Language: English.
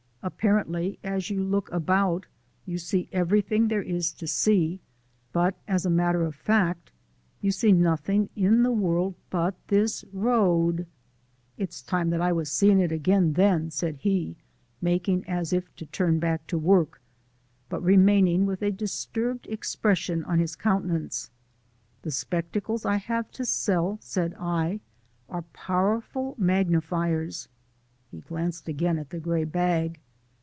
Apparently, as you look about, you see everything there is to see, but as a matter of fact you see nothing in the world but this road " "It's time that I was seein' it again then," said he, making as if to turn back to work, but remaining with a disturbed expression on his countenance. "The Spectacles I have to sell," said I, "are powerful magnifiers" he glanced again at the gray bag.